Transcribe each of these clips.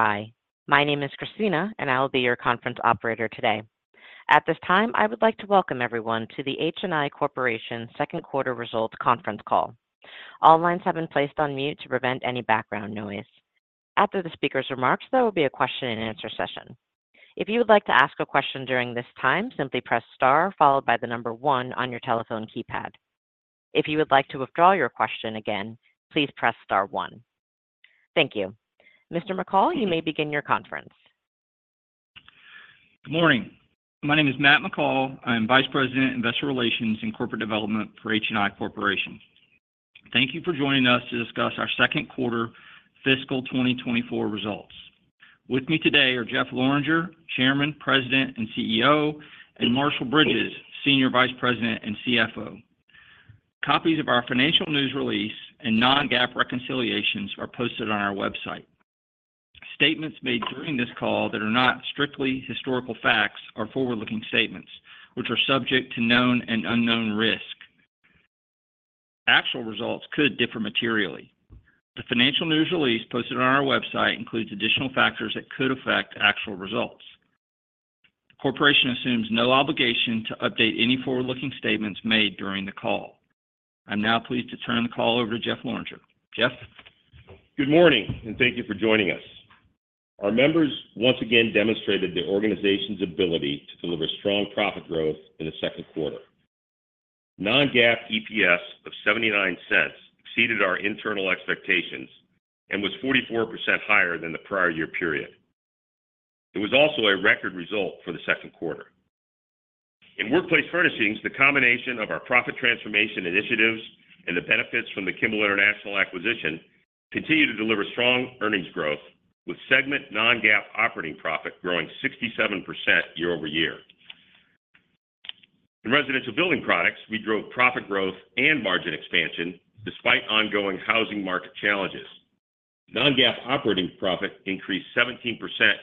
Hi. My name is Christina, and I will be your conference operator today. At this time, I would like to welcome everyone to the HNI Corporation Second Quarter Results Conference Call. All lines have been placed on mute to prevent any background noise. After the speaker's remarks, there will be a question-and-answer session. If you would like to ask a question during this time, simply press star followed by the number one on your telephone keypad. If you would like to withdraw your question again, please press star one. Thank you. Mr. McCall, you may begin your conference. Good morning. My name is Matt McCall. I am Vice President of Investor Relations and Corporate Development for HNI Corporation. Thank you for joining us to discuss our Second Quarter Fiscal 2024 Results. With me today are Jeff Lorenger, Chairman, President, and CEO, and Marshall Bridges, Senior Vice President and CFO. Copies of our financial news release and non-GAAP reconciliations are posted on our website. Statements made during this call that are not strictly historical facts are forward-looking statements, which are subject to known and unknown risk. Actual results could differ materially. The financial news release posted on our website includes additional factors that could affect actual results. The corporation assumes no obligation to update any forward-looking statements made during the call. I'm now pleased to turn the call over to Jeff Lorenger. Jeff? Good morning, and thank you for joining us. Our members once again demonstrated the organization's ability to deliver strong profit growth in the second quarter. Non-GAAP EPS of $0.79 exceeded our internal expectations and was 44% higher than the prior year period. It was also a record result for the second quarter. In workplace furnishings, the combination of our profit transformation initiatives and the benefits from the Kimball International acquisition continue to deliver strong earnings growth, with segment non-GAAP operating profit growing 67% year-over-year. In residential building products, we drove profit growth and margin expansion despite ongoing housing market challenges. Non-GAAP operating profit increased 17%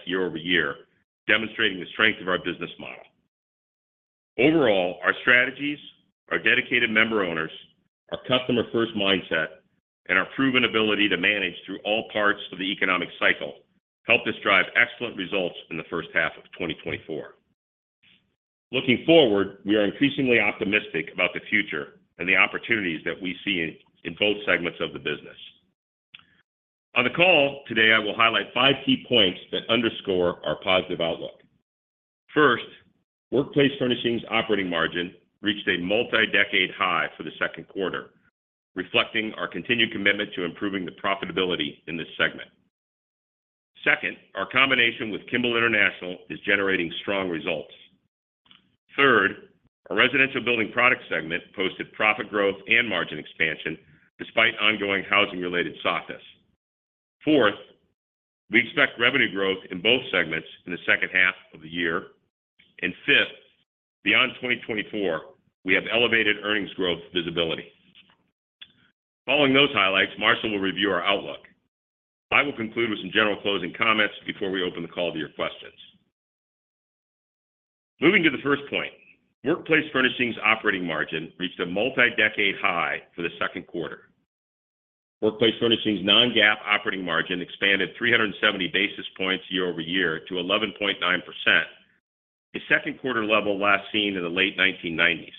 year-over-year, demonstrating the strength of our business model. Overall, our strategies, our dedicated member owners, our customer-first mindset, and our proven ability to manage through all parts of the economic cycle helped us drive excellent results in the first half of 2024. Looking forward, we are increasingly optimistic about the future and the opportunities that we see in both segments of the business. On the call today, I will highlight five key points that underscore our positive outlook. First, workplace furnishings operating margin reached a multi-decade high for the second quarter, reflecting our continued commitment to improving the profitability in this segment. Second, our combination with Kimball International is generating strong results. Third, our residential building product segment posted profit growth and margin expansion despite ongoing housing-related softness. Fourth, we expect revenue growth in both segments in the second half of the year. And fifth, beyond 2024, we have elevated earnings growth visibility. Following those highlights, Marshall will review our outlook. I will conclude with some general closing comments before we open the call to your questions. Moving to the first point, workplace furnishings operating margin reached a multi-decade high for the second quarter. Workplace furnishings non-GAAP operating margin expanded 370 basis points year-over-year to 11.9%, a second quarter level last seen in the late 1990s.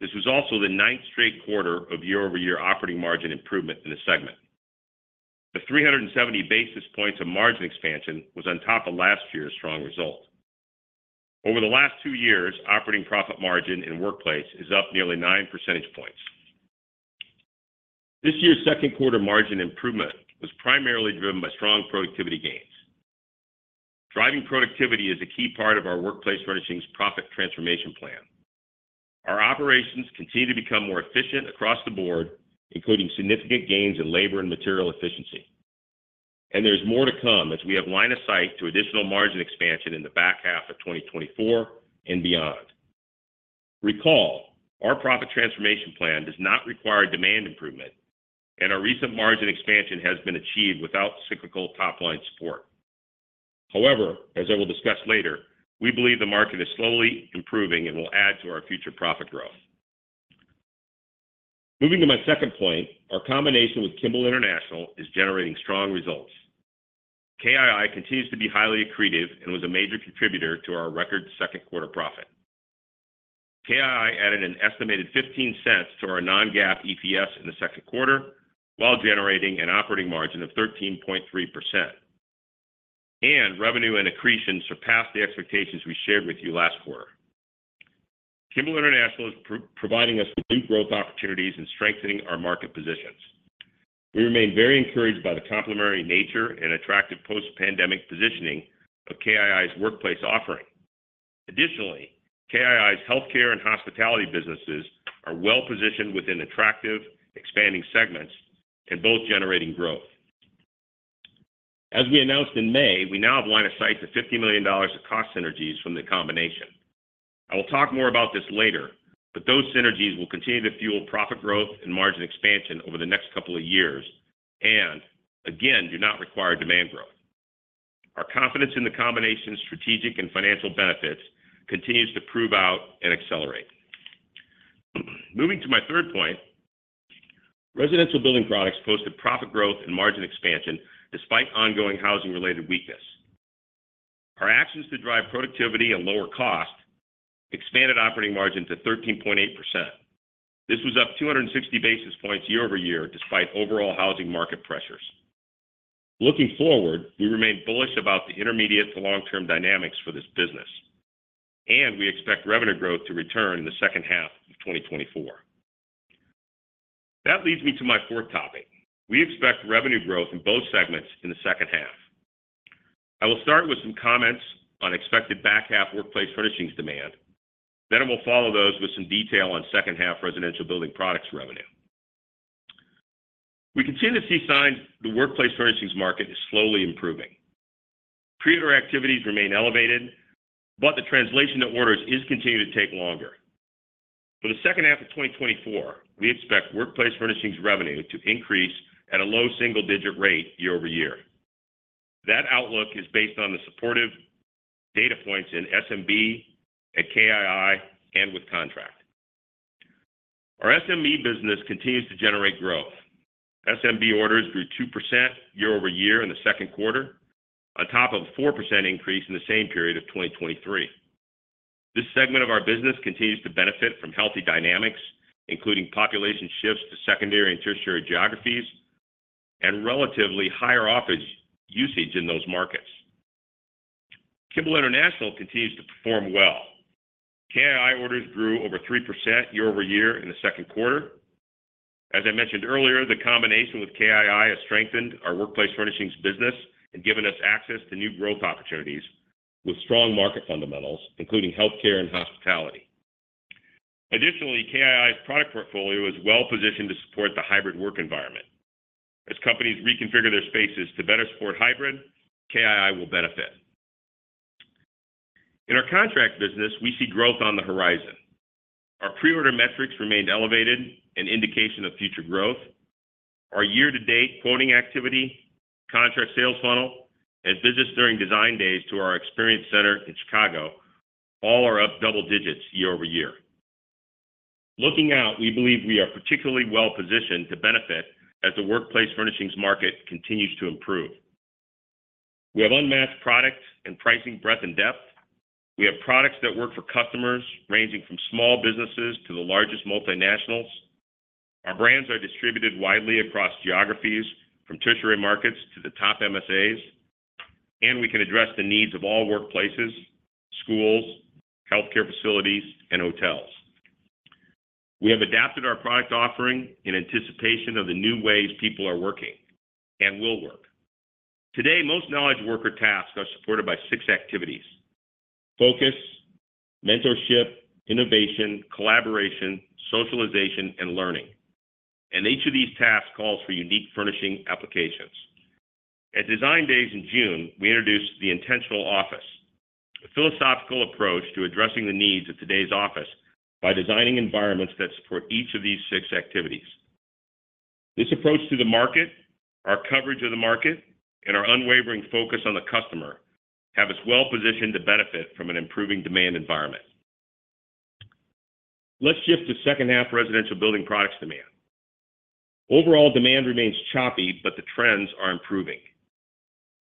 This was also the ninth straight quarter of year-over-year operating margin improvement in the segment. The 370 basis points of margin expansion was on top of last year's strong result. Over the last two years, operating profit margin in workplace is up nearly 9% points. This year's second quarter margin improvement was primarily driven by strong productivity gains. Driving productivity is a key part of our workplace furnishings profit transformation plan. Our operations continue to become more efficient across the board, including significant gains in labor and material efficiency. There's more to come as we have line of sight to additional margin expansion in the back half of 2024 and beyond. Recall, our profit transformation plan does not require demand improvement, and our recent margin expansion has been achieved without cyclical top-line support. However, as I will discuss later, we believe the market is slowly improving and will add to our future profit growth. Moving to my second point, our combination with Kimball International is generating strong results. KII continues to be highly accretive and was a major contributor to our record second quarter profit. KII added an estimated $0.15 to our non-GAAP EPS in the second quarter while generating an operating margin of 13.3%. Revenue and accretion surpassed the expectations we shared with you last quarter. Kimball International is providing us with new growth opportunities and strengthening our market positions. We remain very encouraged by the complementary nature and attractive post-pandemic positioning of KII's workplace offering. Additionally, KII's healthcare and hospitality businesses are well-positioned within attractive, expanding segments and both generating growth. As we announced in May, we now have line of sight to $50 million of cost synergies from the combination. I will talk more about this later, but those synergies will continue to fuel profit growth and margin expansion over the next couple of years and, again, do not require demand growth. Our confidence in the combination's strategic and financial benefits continues to prove out and accelerate. Moving to my third point, residential building products posted profit growth and margin expansion despite ongoing housing-related weakness. Our actions to drive productivity and lower cost expanded operating margin to 13.8%. This was up 260 basis points year-over-year despite overall housing market pressures. Looking forward, we remain bullish about the intermediate to long-term dynamics for this business, and we expect revenue growth to return in the second half of 2024. That leads me to my fourth topic. We expect revenue growth in both segments in the second half. I will start with some comments on expected back half workplace furnishings demand. Then I will follow those with some detail on second half residential building products revenue. We continue to see signs the workplace furnishings market is slowly improving. Pre-order activities remain elevated, but the translation to orders is continuing to take longer. For the second half of 2024, we expect workplace furnishings revenue to increase at a low single-digit rate year-over-year. That outlook is based on the supportive data points in SMB and KII and with contract. Our SMB business continues to generate growth. SMB orders grew 2% year-over-year in the second quarter, on top of a 4% increase in the same period of 2023. This segment of our business continues to benefit from healthy dynamics, including population shifts to secondary and tertiary geographies and relatively higher office usage in those markets. Kimball International continues to perform well. KII orders grew over 3% year-over-year in the second quarter. As I mentioned earlier, the combination with KII has strengthened our workplace furnishings business and given us access to new growth opportunities with strong market fundamentals, including healthcare and hospitality. Additionally, KII's product portfolio is well-positioned to support the hybrid work environment. As companies reconfigure their spaces to better support hybrid, KII will benefit. In our contract business, we see growth on the horizon. Our pre-order metrics remained elevated, an indication of future growth. Our year-to-date quoting activity, contract sales funnel, and business during Design Days to our experience center in Chicago all are up double digits year-over-year. Looking out, we believe we are particularly well-positioned to benefit as the workplace furnishings market continues to improve. We have unmatched product and pricing breadth and depth. We have products that work for customers ranging from small businesses to the largest multinationals. Our brands are distributed widely across geographies, from tertiary markets to the top MSAs, and we can address the needs of all workplaces, schools, healthcare facilities, and hotels. We have adapted our product offering in anticipation of the new ways people are working and will work. Today, most knowledge worker tasks are supported by six activities: focus, mentorship, innovation, collaboration, socialization, and learning. Each of these tasks calls for unique furnishing applications. At Design Days in June, we introduced the Intentional Office, a philosophical approach to addressing the needs of today's office by designing environments that support each of these six activities. This approach to the market, our coverage of the market, and our unwavering focus on the customer have us well-positioned to benefit from an improving demand environment. Let's shift to second half Residential Building Products demand. Overall demand remains choppy, but the trends are improving.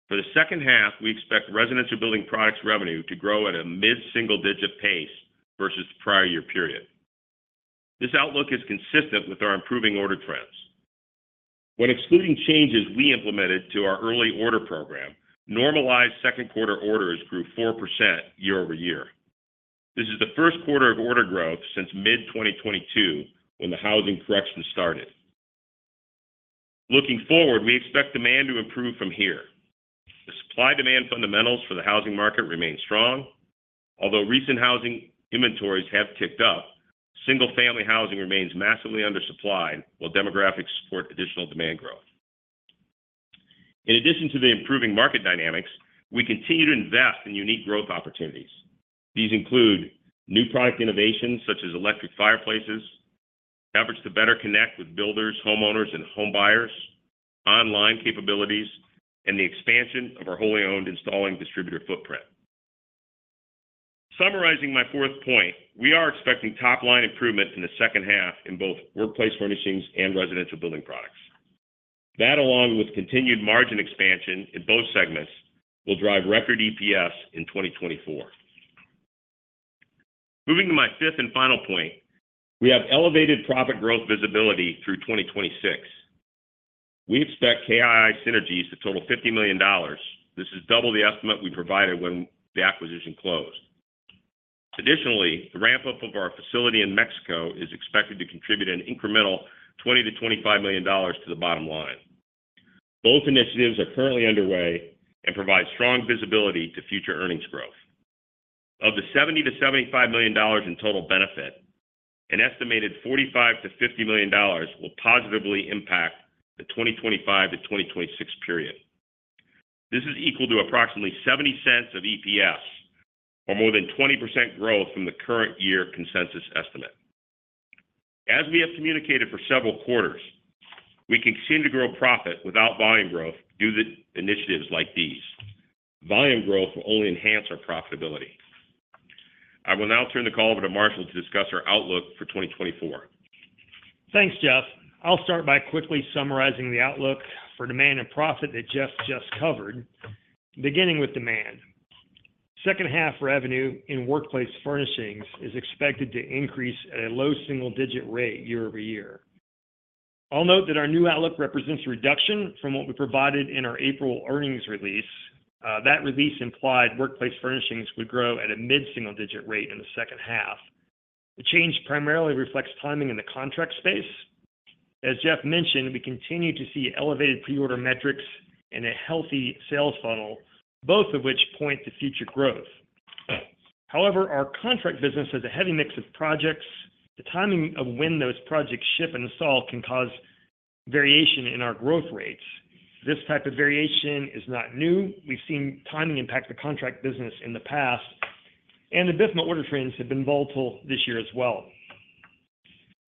For the second half, we expect Residential Building Products revenue to grow at a mid-single-digit pace versus the prior year period. This outlook is consistent with our improving order trends. When excluding changes we implemented to our early order program, normalized second quarter orders grew 4% year-over-year. This is the first quarter of order growth since mid-2022 when the housing correction started. Looking forward, we expect demand to improve from here. The supply-demand fundamentals for the housing market remain strong. Although recent housing inventories have ticked up, single-family housing remains massively undersupplied while demographics support additional demand growth. In addition to the improving market dynamics, we continue to invest in unique growth opportunities. These include new product innovations such as electric fireplaces, efforts to better connect with builders, homeowners, and home buyers, online capabilities, and the expansion of our wholly owned installing distributor footprint. Summarizing my fourth point, we are expecting top-line improvement in the second half in both workplace furnishings and residential building products. That, along with continued margin expansion in both segments, will drive record EPS in 2024. Moving to my fifth and final point, we have elevated profit growth visibility through 2026. We expect KII synergies to total $50 million. This is double the estimate we provided when the acquisition closed. Additionally, the ramp-up of our facility in Mexico is expected to contribute an incremental $20 million-$25 million to the bottom line. Both initiatives are currently underway and provide strong visibility to future earnings growth. Of the $70 million-$75 million in total benefit, an estimated $45 million-$50 million will positively impact the 2025-2026 period. This is equal to approximately $0.70 EPS, or more than 20% growth from the current year consensus estimate. As we have communicated for several quarters, we continue to grow profit without volume growth due to initiatives like these. Volume growth will only enhance our profitability. I will now turn the call over to Marshall to discuss our outlook for 2024. Thanks, Jeff. I'll start by quickly summarizing the outlook for demand and profit that Jeff just covered, beginning with demand. Second half revenue in workplace furnishings is expected to increase at a low single-digit rate year-over-year. I'll note that our new outlook represents a reduction from what we provided in our April earnings release. That release implied workplace furnishings would grow at a mid-single-digit rate in the second half. The change primarily reflects timing in the contract space. As Jeff mentioned, we continue to see elevated pre-order metrics and a healthy sales funnel, both of which point to future growth. However, our contract business has a heavy mix of projects. The timing of when those projects ship and install can cause variation in our growth rates. This type of variation is not new. We've seen timing impact the contract business in the past, and the BIFMA order trends have been volatile this year as well.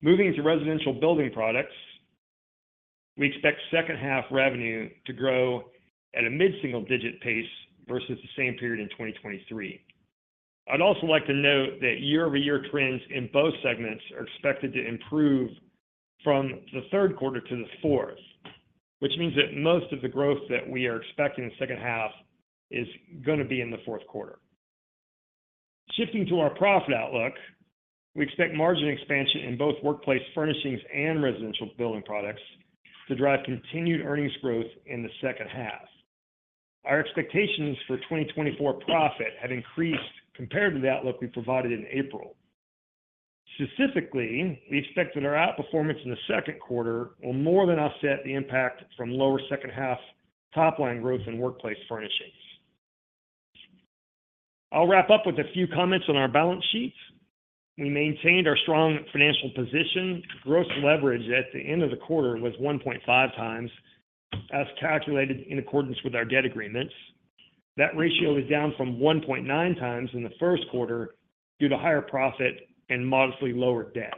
Moving to residential building products, we expect second half revenue to grow at a mid-single-digit pace versus the same period in 2023. I'd also like to note that year-over-year trends in both segments are expected to improve from the third quarter to the fourth, which means that most of the growth that we are expecting in the second half is going to be in the fourth quarter. Shifting to our profit outlook, we expect margin expansion in both workplace furnishings and residential building products to drive continued earnings growth in the second half. Our expectations for 2024 profit have increased compared to the outlook we provided in April. Specifically, we expect that our outperformance in the second quarter will more than offset the impact from lower second half top-line growth in workplace furnishings. I'll wrap up with a few comments on our balance sheet. We maintained our strong financial position. Gross leverage at the end of the quarter was 1.5x, as calculated in accordance with our debt agreements. That ratio is down from 1.9x in the first quarter due to higher profit and modestly lower debt.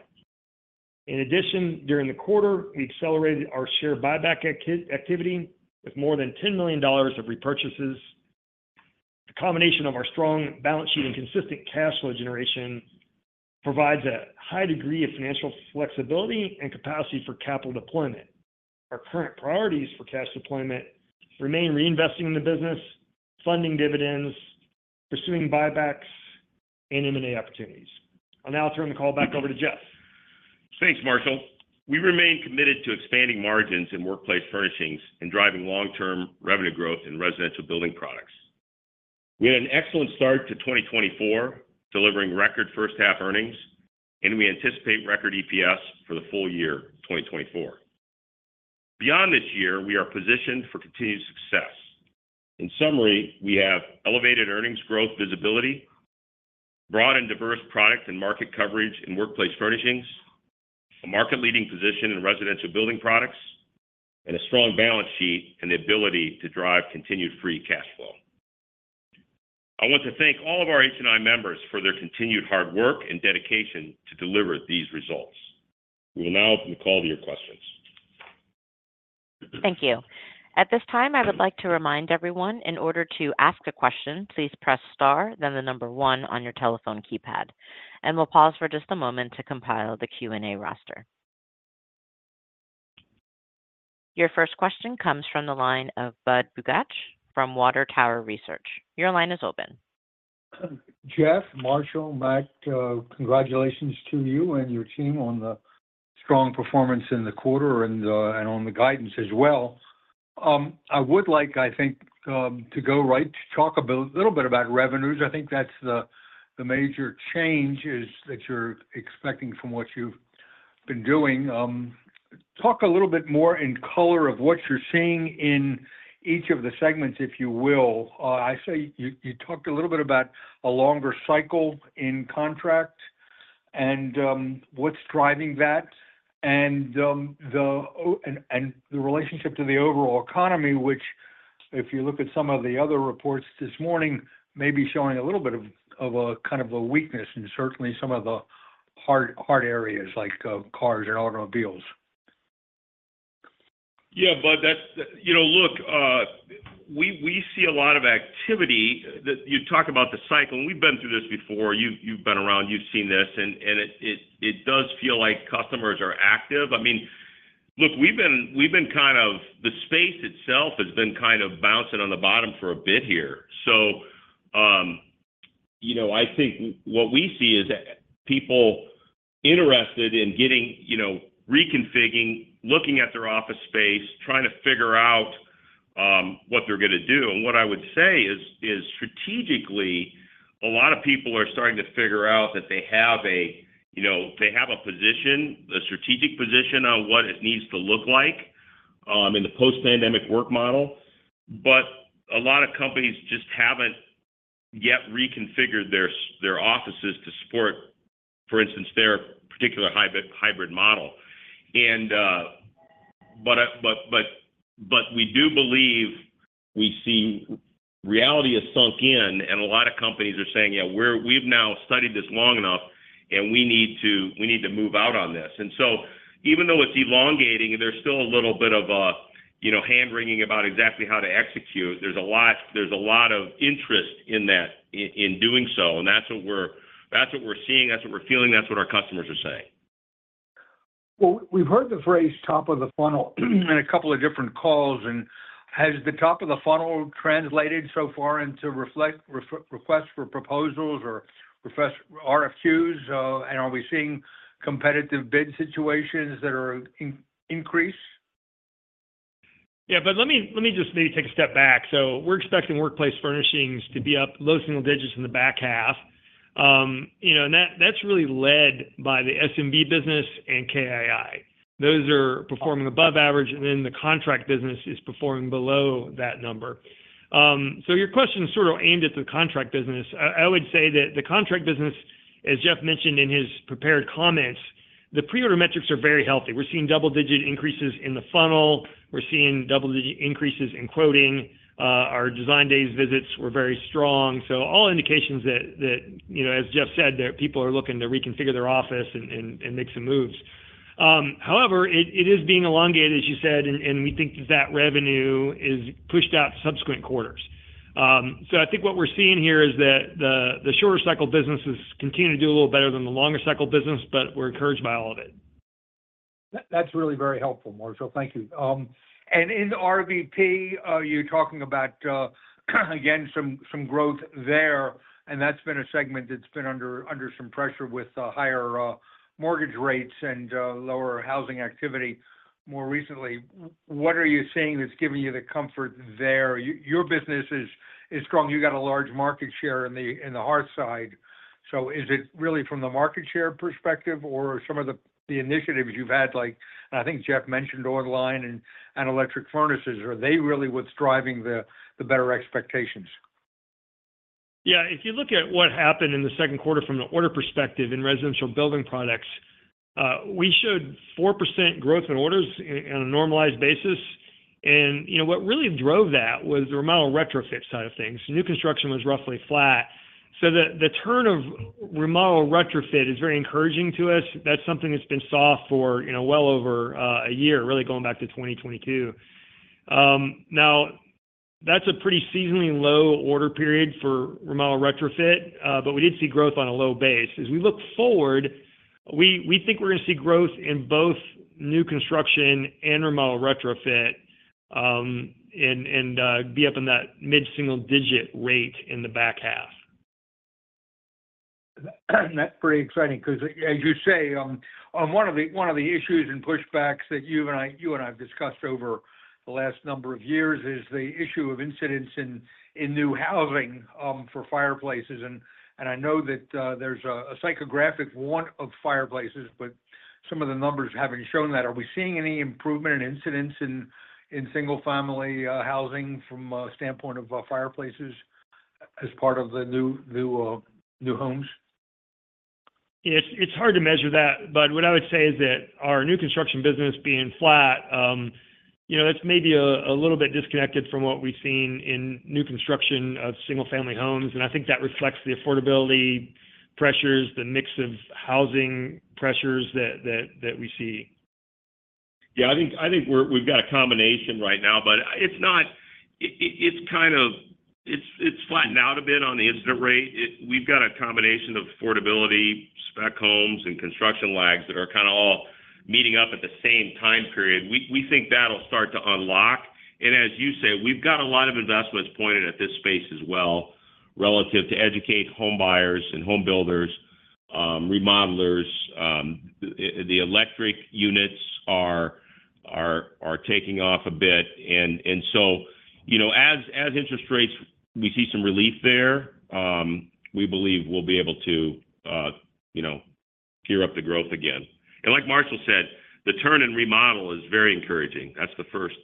In addition, during the quarter, we accelerated our share buyback activity with more than $10 million of repurchases. The combination of our strong balance sheet and consistent cash flow generation provides a high degree of financial flexibility and capacity for capital deployment. Our current priorities for cash deployment remain reinvesting in the business, funding dividends, pursuing buybacks, and M&A opportunities. I'll now turn the call back over to Jeff. Thanks, Marshall. We remain committed to expanding margins in workplace furnishings and driving long-term revenue growth in residential building products. We had an excellent start to 2024, delivering record first-half earnings, and we anticipate record EPS for the full year 2024.Beyond this year, we are positioned for continued success. In summary, we have elevated earnings growth visibility, broad and diverse product and market coverage in workplace furnishings, a market-leading position in residential building products, and a strong balance sheet and the ability to drive continued free cash flow. I want to thank all of our HNI members for their continued hard work and dedication to deliver these results. We will now open the call to your questions. Thank you. At this time, I would like to remind everyone, in order to ask a question, please press star, then the number one on your telephone keypad. We'll pause for just a moment to compile the Q&A roster. Your first question comes from the line of Budd Bugatch from Water Tower Research. Your line is open. Jeff, Marshall, Matt, congratulations to you and your team on the strong performance in the quarter and on the guidance as well. I would like, I think, to go right to talk a little bit about revenues. I think that's the major change that you're expecting from what you've been doing. Talk a little bit more in color of what you're seeing in each of the segments, if you will. I say you talked a little bit about a longer cycle in contract and what's driving that and the relationship to the overall economy, which, if you look at some of the other reports this morning, may be showing a little bit of a kind of a weakness in certainly some of the hard areas like cars and automobiles. Yeah, Bud, look, we see a lot of activity that you talk about the cycle. We've been through this before. You've been around, you've seen this, and it does feel like customers are active. I mean, look, we've been kind of the space itself has been kind of bouncing on the bottom for a bit here. So I think what we see is people interested in getting reconfiguring, looking at their office space, trying to figure out what they're going to do. And what I would say is, strategically, a lot of people are starting to figure out that they have a position, a strategic position on what it needs to look like in the post-pandemic work model. But a lot of companies just haven't yet reconfigured their offices to support, for instance, their particular hybrid model. But we do believe we see reality has sunk in, and a lot of companies are saying, "Yeah, we've now studied this long enough, and we need to move out on this." And so even though it's elongating, there's still a little bit of hand-wringing about exactly how to execute. There's a lot of interest in that, in doing so. And that's what we're seeing, that's what we're feeling, that's what our customers are saying. Well, we've heard the phrase "top of the funnel" in a couple of different calls. And has the top of the funnel translated so far into requests for proposals or RFQs? And are we seeing competitive bid situations that are increased? Yeah, but let me just maybe take a step back. So we're expecting workplace furnishings to be up low single digits in the back half. And that's really led by the SMB business and KII. Those are performing above average, and then the contract business is performing below that number. So your question is sort of aimed at the contract business. I would say that the contract business, as Jeff mentioned in his prepared comments, the pre-order metrics are very healthy. We're seeing double-digit increases in the funnel. We're seeing double-digit increases in quoting. Our Design Days visits were very strong. So all indications that, as Jeff said, that people are looking to reconfigure their office and make some moves. However, it is being elongated, as you said, and we think that that revenue is pushed out subsequent quarters. So I think what we're seeing here is that the shorter cycle businesses continue to do a little better than the longer cycle business, but we're encouraged by all of it. That's really very helpful, Marshall.Thank you. In the RBP, you're talking about, again, some growth there. And that's been a segment that's been under some pressure with higher mortgage rates and lower housing activity more recently. What are you seeing that's giving you the comfort there? Your business is strong. You've got a large market share in the hearth side. So is it really from the market share perspective or some of the initiatives you've had, like I think Jeff mentioned online and electric fireplaces, are they really what's driving the better expectations? Yeah, if you look at what happened in the second quarter from the order perspective in residential building products, we showed 4% growth in orders on a normalized basis. And what really drove that was the remodel retrofit side of things. New construction was roughly flat. So the turn of remodel retrofit is very encouraging to us. That's something that's been soft for well over a year, really going back to 2022. Now, that's a pretty seasonally low order period for Remodel Retrofit, but we did see growth on a low base. As we look forward, we think we're going to see growth in both new construction and Remodel Retrofit and be up in that mid-single digit rate in the back half. That's pretty exciting because, as you say, one of the issues and pushbacks that you and I have discussed over the last number of years is the issue of incidence in new housing for fireplaces. And I know that there's a psychographic want of fireplaces, but some of the numbers haven't shown that. Are we seeing any improvement in incidence in single-family housing from a standpoint of fireplaces as part of the new homes? It's hard to measure that, but what I would say is that our new construction business being flat, that's maybe a little bit disconnected from what we've seen in new construction of single-family homes. I think that reflects the affordability pressures, the mix of housing pressures that we see. Yeah, I think we've got a combination right now, but it's kind of flattened out a bit on the incident rate. We've got a combination of affordability, spec homes, and construction lags that are kind of all meeting up at the same time period. We think that'll start to unlock. And as you say, we've got a lot of investments pointed at this space as well relative to educate home buyers and home builders, remodelers. The electric units are taking off a bit. And so as interest rates, we see some relief there. We believe we'll be able to gear up the growth again. Like Marshall said, the turn in remodel is very encouraging. That's the first.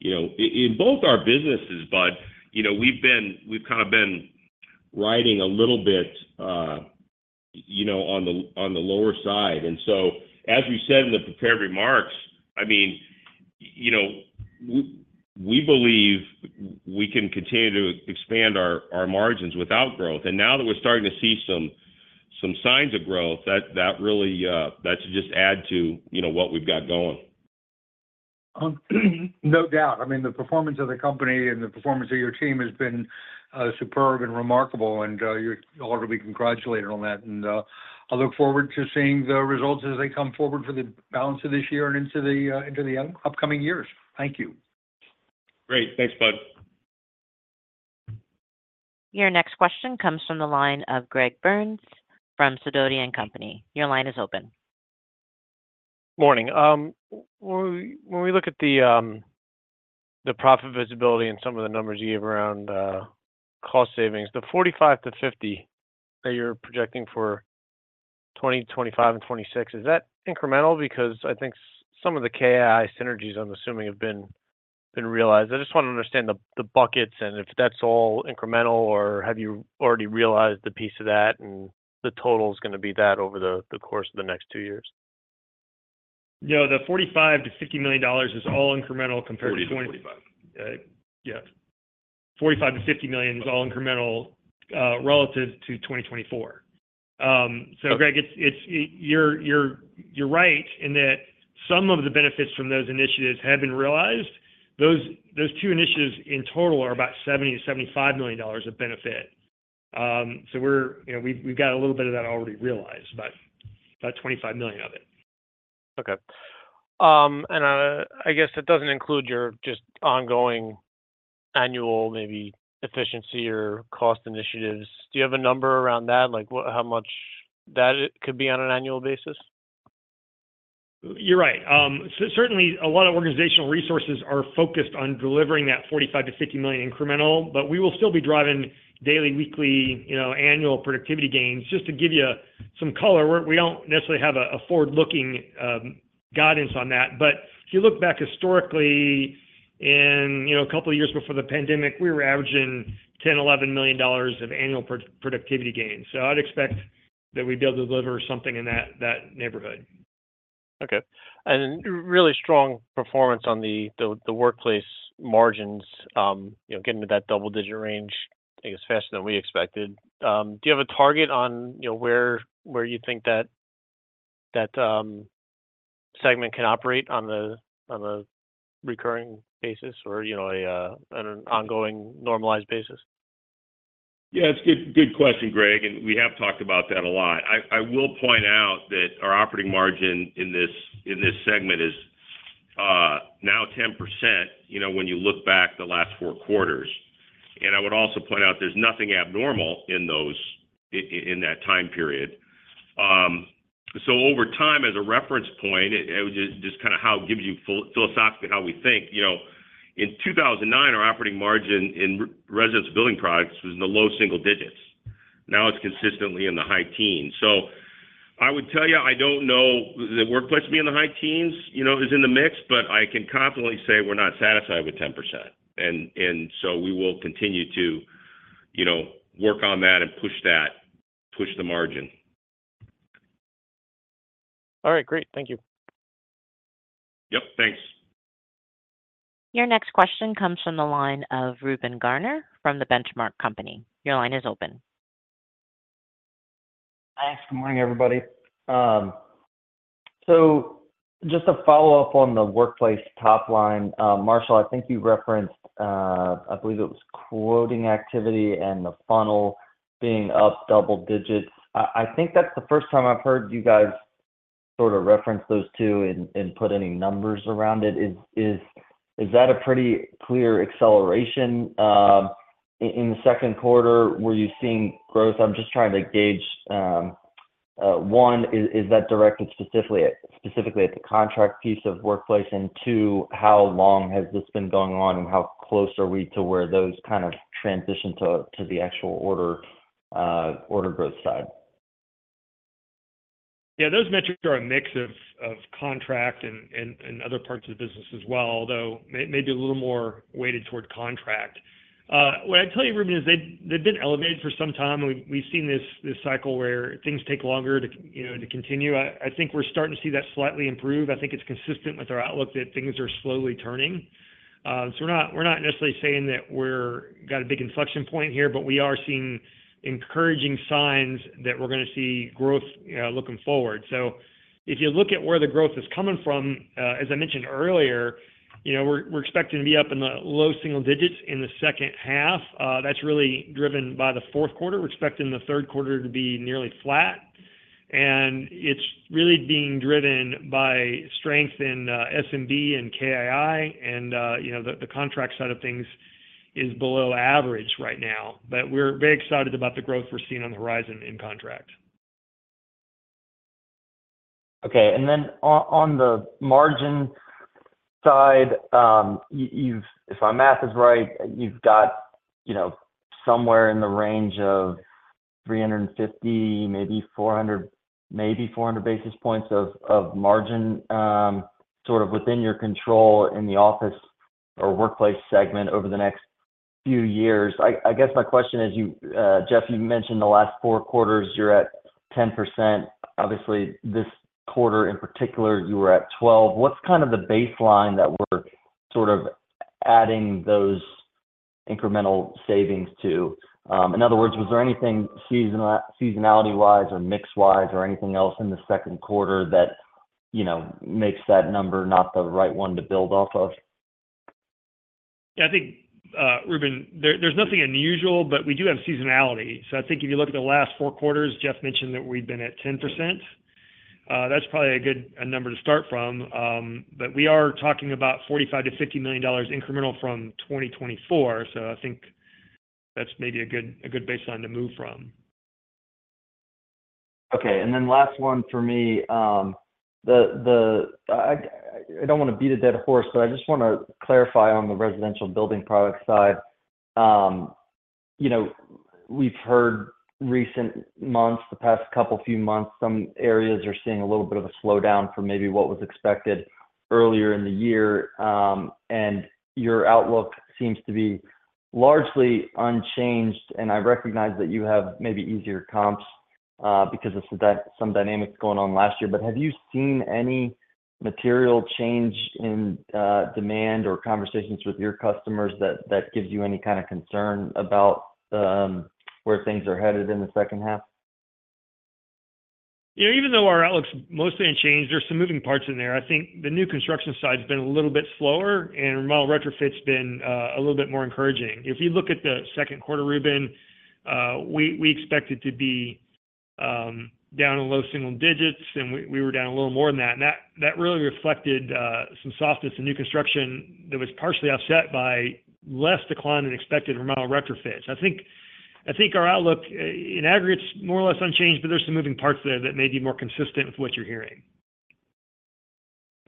In both our businesses, Bud, we've kind of been riding a little bit on the lower side. So, as we said in the prepared remarks, I mean, we believe we can continue to expand our margins without growth. And now that we're starting to see some signs of growth, that really just adds to what we've got going. No doubt. I mean, the performance of the company and the performance of your team has been superb and remarkable, and you all are to be congratulated on that. I look forward to seeing the results as they come forward for the balance of this year and into the upcoming years. Thank you. Great. Thanks, Bud. Your next question comes from the line of Greg Burns from Sidoti & Company. Your line is open. Morning. When we look at the profit visibility and some of the numbers you gave around cost savings, the 45-50 that you're projecting for 2025 and 2026, is that incremental? Because I think some of the KII synergies, I'm assuming, have been realized. I just want to understand the buckets and if that's all incremental or have you already realized the piece of that and the total is going to be that over the course of the next two years? No, the $45 million-$50 million is all incremental compared to 2020. $45 million-$50 million is all incremental relative to 2024. So, Greg, you're right in that some of the benefits from those initiatives have been realized. Those two initiatives in total are about $70 million-$75 million of benefit. So we've got a little bit of that already realized, about $25 million of it. Okay. And I guess it doesn't include your just ongoing annual maybe efficiency or cost initiatives. Do you have a number around that, like how much that could be on an annual basis? You're right. Certainly, a lot of organizational resources are focused on delivering that $45 million-$50 million incremental, but we will still be driving daily, weekly, annual productivity gains just to give you some color. We don't necessarily have a forward-looking guidance on that. But if you look back historically, in a couple of years before the pandemic, we were averaging $10 million-$11 million of annual productivity gains. So I'd expect that we'd be able to deliver something in that neighborhood. Okay.And really strong performance on the workplace margins, getting to that double-digit range, I guess, faster than we expected. Do you have a target on where you think that segment can operate on a recurring basis or an ongoing normalized basis? Yeah, that's a good question, Greg. And we have talked about that a lot. I will point out that our operating margin in this segment is now 10% when you look back the last four quarters. And I would also point out there's nothing abnormal in that time period. So over time, as a reference point, just kind of how it gives you philosophically how we think, in 2009, our operating margin in residential building products was in the low single digits. Now it's consistently in the high teens. So I would tell you, I don't know that workplace being in the high teens is in the mix, but I can confidently say we're not satisfied with 10%. And so we will continue to work on that and push the margin. All right. Great.Thank you. Yep. Thanks. Your next question comes from the line of Reuben Garner from The Benchmark Company. Your line is open. Hi. Good morning, everybody. So just to follow up on the workplace top line, Marshall, I think you referenced, I believe it was quoting activity and the funnel being up double digits. I think that's the first time I've heard you guys sort of reference those two and put any numbers around it. Is that a pretty clear acceleration in the second quarter? Were you seeing growth? I'm just trying to gauge. One, is that directed specifically at the contract piece of workplace? Two, how long has this been going on and how close are we to where those kind of transition to the actual order growth side? Yeah, those metrics are a mix of contract and other parts of the business as well, although maybe a little more weighted toward contract. What I'd tell you, Reuben, is they've been elevated for some time. We've seen this cycle where things take longer to continue. I think we're starting to see that slightly improve. I think it's consistent with our outlook that things are slowly turning. So we're not necessarily saying that we've got a big inflection point here, but we are seeing encouraging signs that we're going to see growth looking forward. So if you look at where the growth is coming from, as I mentioned earlier, we're expecting to be up in the low single digits in the second half. That's really driven by the fourth quarter. We're expecting the third quarter to be nearly flat. And it's really being driven by strength in SMB and KII. And the contract side of things is below average right now. But we're very excited about the growth we're seeing on the horizon in contract. Okay. And then on the margin side, if my math is right, you've got somewhere in the range of 350, maybe 400 basis points of margin sort of within your control in the office or workplace segment over the next few years. I guess my question is, Jeff, you mentioned the last four quarters you're at 10%. Obviously, this quarter in particular, you were at 12%. What's kind of the baseline that we're sort of adding those incremental savings to? In other words, was there anything seasonality-wise or mix-wise or anything else in the second quarter that makes that number not the right one to build off of? Yeah, I think, Reuben, there's nothing unusual, but we do have seasonality. So I think if you look at the last four quarters, Jeff mentioned that we've been at 10%. That's probably a good number to start from. But we are talking about $45 million-$50 million incremental from 2024. So I think that's maybe a good baseline to move from. Okay. And then last one for me, I don't want to beat a dead horse, but I just want to clarify on the residential building product side. We've heard recent months, the past couple of few months, some areas are seeing a little bit of a slowdown from maybe what was expected earlier in the year. And your outlook seems to be largely unchanged. And I recognize that you have maybe easier comps because of some dynamics going on last year. But have you seen any material change in demand or conversations with your customers that gives you any kind of concern about where things are headed in the second half? Even though our outlook's mostly unchanged, there's some moving parts in there. I think the new construction side has been a little bit slower, and Remodel Retrofit's been a little bit more encouraging. If you look at the second quarter, Reuben, we expected to be down in low single digits, and we were down a little more than that. And that really reflected some softness in new construction that was partially offset by less decline than expected in Remodel Retrofits.I think our outlook in aggregate's more or less unchanged, but there's some moving parts there that may be more consistent with what you're hearing.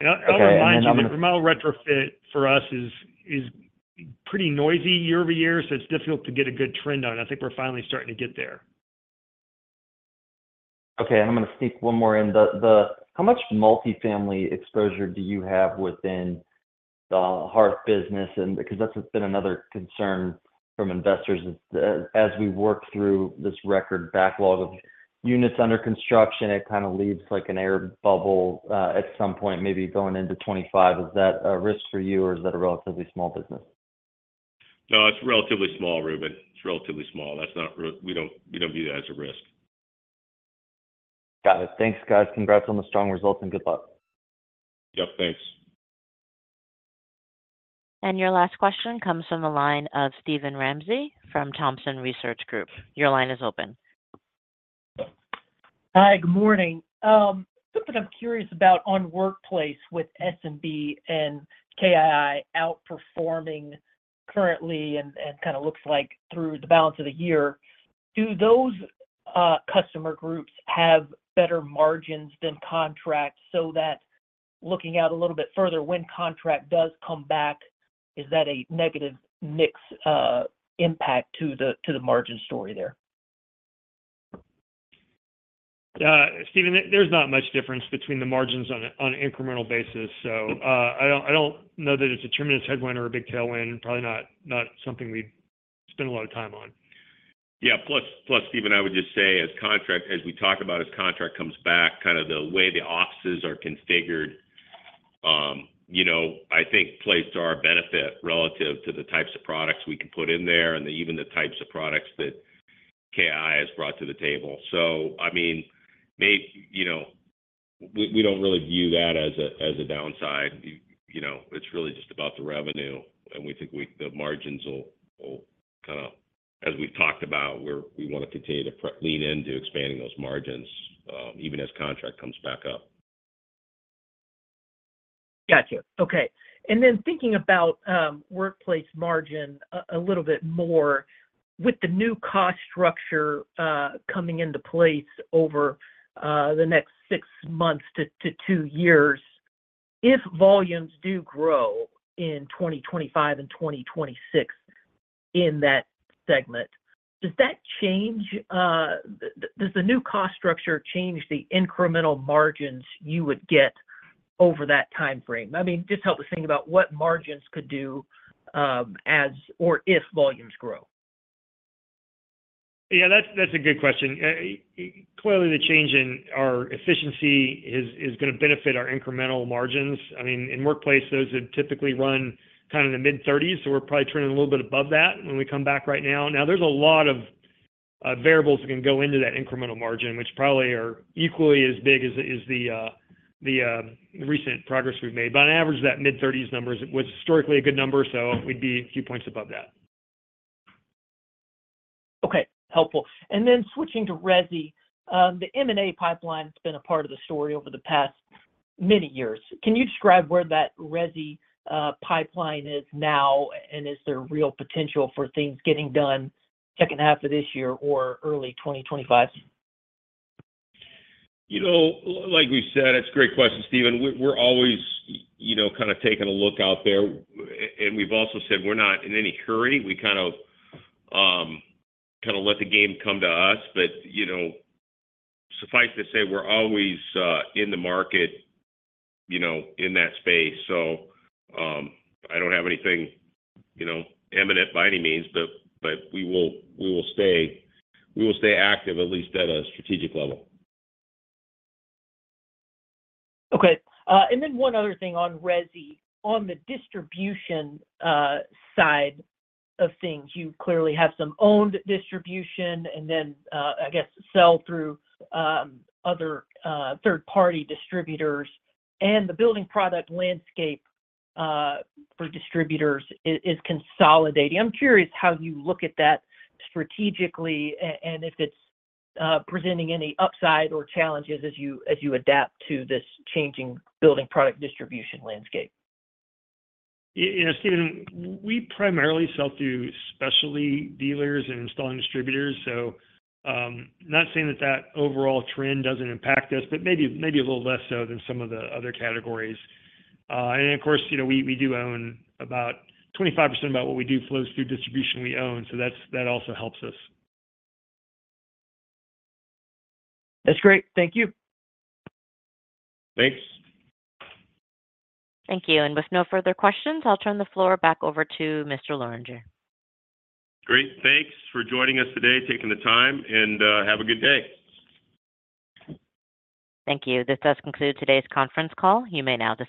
I'll remind you, remodel retrofit for us is pretty noisy year-over-year, so it's difficult to get a good trend on it. I think we're finally starting to get there. Okay. I'm going to sneak one more in. How much multifamily exposure do you have within the hearth business? Because that's been another concern from investors as we work through this record backlog of units under construction. It kind of leaves like an air bubble at some point, maybe going into 2025. Is that a risk for you, or is that a relatively small business? No, it's relatively small, Reuben. It's relatively small. We don't view that as a risk. Got it. Thanks, guys. Congrats on the strong results and good luck. Yep. Thanks. And your last question comes from the line of Steven Ramsey from Thompson Research Group. Your line is open. Hi. Good morning. Something I'm curious about on workplace with SMB and KII outperforming currently and kind of looks like through the balance of the year. Do those customer groups have better margins than contract so that looking out a little bit further, when contract does come back, is that a negative mix impact to the margin story there? Steven, there's not much difference between the margins on an incremental basis. So I don't know that it's a tremendous headwind or a big tailwind, probably not something we spend a lot of time on. Yeah.Plus, Steven, I would just say as contract, as we talk about as contract comes back, kind of the way the offices are configured, I think plays to our benefit relative to the types of products we can put in there and even the types of products that KII has brought to the table. So, I mean, we don't really view that as a downside. It's really just about the revenue. And we think the margins will kind of, as we've talked about, we want to continue to lean into expanding those margins even as contract comes back up. Gotcha. Okay. And then thinking about workplace margin a little bit more, with the new cost structure coming into place over the next six months to two years, if volumes do grow in 2025 and 2026 in that segment, does that change? Does the new cost structure change the incremental margins you would get over that timeframe? I mean, just help us think about what margins could do as or if volumes grow. Yeah, that's a good question. Clearly, the change in our efficiency is going to benefit our incremental margins. I mean, in workplace, those that typically run kind of in the mid-30s. So we're probably turning a little bit above that when we come back right now. Now, there's a lot of variables that can go into that incremental margin, which probably are equally as big as the recent progress we've made. But on average, that mid-30s number was historically a good number. So we'd be a few points above that. Okay. Helpful. And then switching to Resi, the M&A pipeline has been a part of the story over the past many years. Can you describe where that Resi pipeline is now? And is there real potential for things getting done second half of this year or early 2025? Like we said, it's a great question, Steven. We're always kind of taking a look out there. And we've also said we're not in any hurry. We kind of let the game come to us. But suffice to say, we're always in the market in that space. So I don't have anything imminent by any means, but we will stay active at least at a strategic level. Okay. And then one other thing on Resi. On the distribution side of things, you clearly have some owned distribution and then, I guess, sell through other third-party distributors. And the building product landscape for distributors is consolidating. I'm curious how you look at that strategically and if it's presenting any upside or challenges as you adapt to this changing building product distribution landscape. Steven, we primarily sell to specialty dealers and installing distributors. So I'm not saying that that overall trend doesn't impact us, but maybe a little less so than some of the other categories. And of course, we do own about 25% of what we do flows through distribution we own. So that also helps us. That's great. Thank you. Thanks. Thank you. And with no further questions, I'll turn the floor back over to Mr. Lorenger. Great. Thanks for joining us today, taking the time. And have a good day. Thank you. This does conclude today's conference call. You may now disconnect.